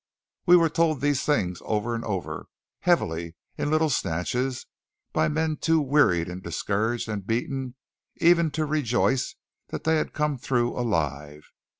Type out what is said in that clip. We were told these things over and over, heavily, in little snatches, by men too wearied and discouraged and beaten even to rejoice that they had come through alive.